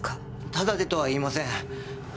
タダでとは言いません。